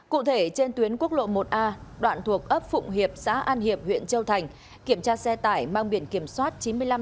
cụ thể trên tuyến quốc lộ một a đoạn thuộc ấp phụng hiệp xã an hiệp huyện châu thành kiểm tra xe tải mang biển kiểm soát